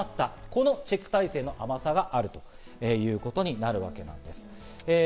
このチェック体制の甘さがあるということになるわけです。